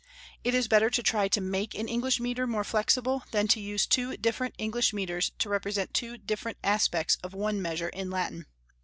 It is better to try to make an English metre more flexible than to use two different English metres to represent two different aspects of one measure in Latin.